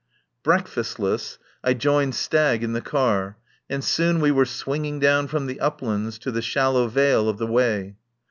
Breakfastless I joined Stagg in the car, and soon we were swinging down from the uplands to the shallow vale of the Wey.